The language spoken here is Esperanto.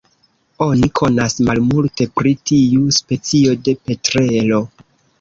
Oni konas malmulte pri tiu specio de petrelo.